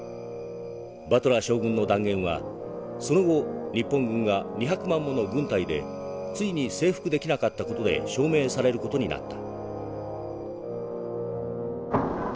バトラー将軍の断言はその後日本軍が２００万もの軍隊でついに征服できなかった事で証明される事になった」。